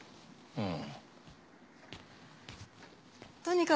うん。